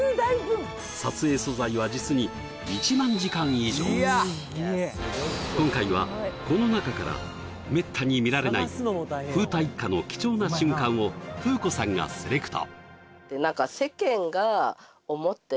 撮影素材は実に今回はこの中からめったに見られない風太一家の貴重な瞬間を風子さんがセレクト！